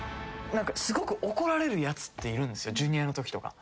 すごく怒られるやつっているんですよＪｒ．のときとか。